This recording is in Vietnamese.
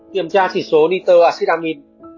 kiểm tra chỉ số nitroacid amine